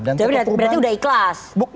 tapi berarti udah ikhlas